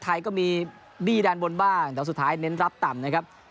ไทยก็มีบี้ด้านบนบ้างแต่สุดท้ายเน้นรับต่ำนะครับ